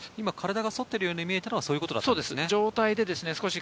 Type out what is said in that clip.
反ったように見えたのは、そういうことだったんですね。